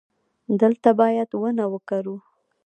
دلته باید ونه وکرو